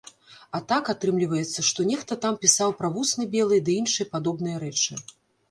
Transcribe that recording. А так, атрымліваецца, што нехта там пісаў пра вусны белыя ды іншыя падобныя рэчы.